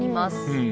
うん。